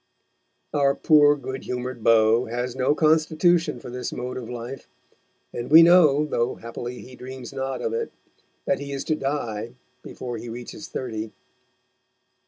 Our poor, good humoured beau has no constitution for this mode of life, and we know, though happily he dreams not of it, that he is to die before he reaches thirty.